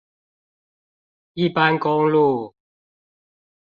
一般公路